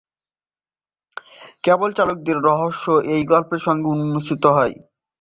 Cab চালকের রহস্য এই গল্পের সঙ্গে উন্মোচিত হয়।